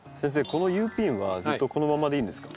このＵピンはずっとこのままでいいんですか？